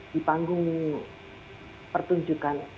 di panggung pertunjukan